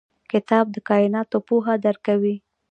کتاب د کایناتو پوهه درکوي.